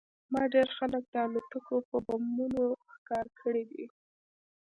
ما ډېر خلک د الوتکو په بمونو ښکار کړي دي